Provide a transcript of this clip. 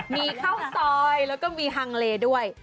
มีข้าวซอยแล้วก็มีฮังเลด้วย